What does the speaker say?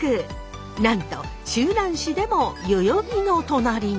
なんと周南市でも代々木の隣に。